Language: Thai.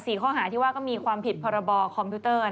๔ข้อหาที่ว่าก็มีความผิดพรบคอมพิวเตอร์